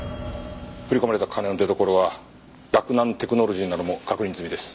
振り込まれた金の出どころは洛南テクノロジーなのも確認済みです。